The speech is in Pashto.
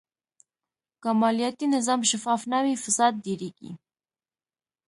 که مالیاتي نظام شفاف نه وي، فساد ډېرېږي.